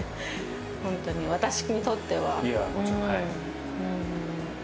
本当に、私にとっては。